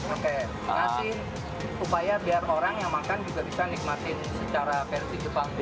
oke kasih upaya biar orang yang makan juga bisa nikmatin secara